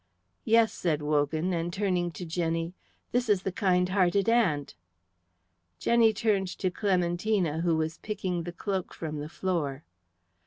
"Yes," said Wogan; and turning to Jenny, "This is the kind hearted aunt." Jenny turned to Clementina, who was picking the cloak from the floor.